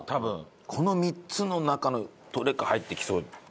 この３つの中のどれか入ってきそうじゃないですか？